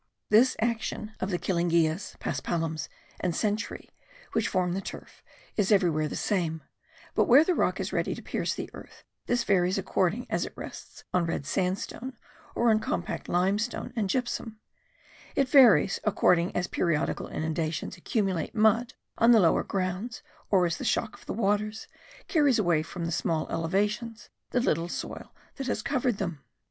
This action of the killingias, paspalums and cenchri, which form the turf, is everywhere the same; but where the rock is ready to pierce the earth this varies according as it rests on red sandstone, or on compact limestone and gypsum; it varies according as periodical inundations accumulate mud on the lower grounds or as the shock of the waters carries away from the small elevations the little soil that has covered them.